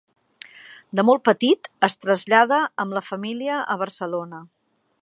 De molt petit es trasllada amb la família a Barcelona.